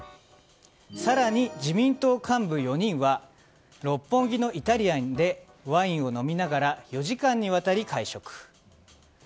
更に自民党幹部４人は六本木のイタリアンでワインを飲みながら４時間にわたり会食。